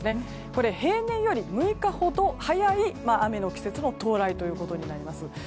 これ、平年より６日ほど早い雨の季節の到来となります。